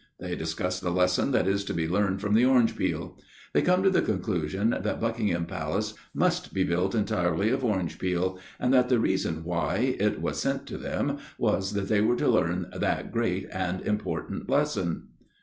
They discuss the lesson that is to be learned from the orange peel : they come to the conclusion that Buckingham Palace must be built entirely of orange peel, and that the reason why it was sent to them was that they were to learn that great and important lesson."